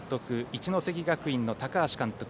一関学院の高橋監督